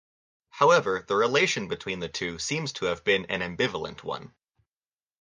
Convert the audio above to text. However, the relation between the two seems to have been an ambivalent one.